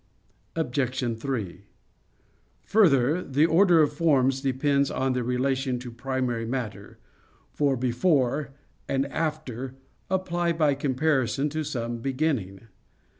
Obj. 3: Further, the order of forms depends on their relation to primary matter; for "before" and "after" apply by comparison to some beginning.